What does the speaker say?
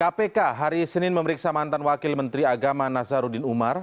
kpk hari senin memeriksa mantan wakil menteri agama nazaruddin umar